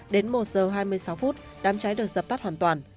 đến một giờ hai mươi sáu phút đám cháy được dập tắt hoàn toàn